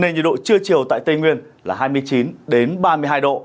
nhiệt độ chưa chiều tại tây nguyên là hai mươi chín đến ba mươi hai độ